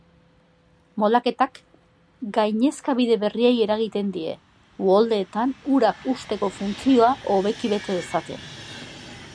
Moldaketak gainezkabide berriei eragiten die, uholdeetan urak husteko funtzioa hobeki bete dezaten.